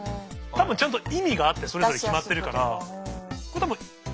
たぶんちゃんと意味があってそれぞれ決まってるから。